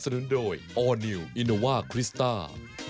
เจ้าจ้า